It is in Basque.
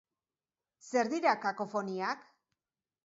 Zer dira kakofoniak?